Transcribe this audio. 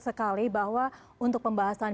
sekali bahwa untuk pembahasan